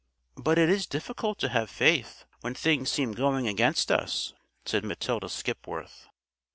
"But it is difficult to have faith when things seem going against us," said Matilda Skipworth.